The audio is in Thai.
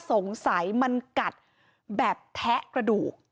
สงสัยตามแต่แค่ปลูดมันกระดูก